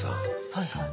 はいはい。